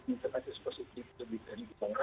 misalkan positif lebih dari orang